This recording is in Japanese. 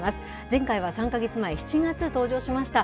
前回は３か月前、７月、登場しました。